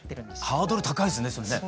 ハードル高いですねそれね。